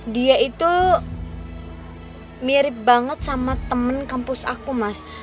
dia itu mirip banget sama temen kampus aku mas